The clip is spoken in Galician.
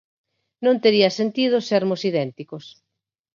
Non tería sentido sermos idénticos.